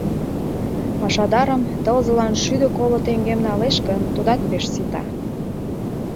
Пашадарым тылзылан шӱдӧ коло теҥгем налеш гын, тудат пеш сита.